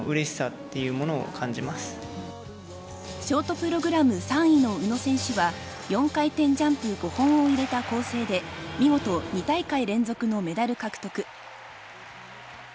ショートプログラム３位の宇野選手は４回転ジャンプ５本を入れた構成で見事２大会連続のメダル獲得。